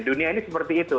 dunia ini seperti itu